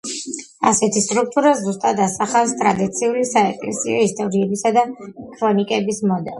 ასეთი სტრუქტურა ზუსტად ასახავს ტრადიციული საეკლესიო ისტორიებისა და ქრონიკების მოდელს.